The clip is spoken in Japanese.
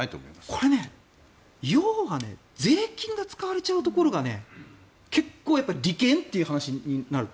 これ、要は税金が使われちゃうところが結構、利権という話になる。